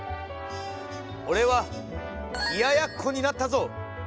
俺は冷ややっこになったぞ！